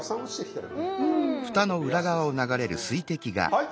はい！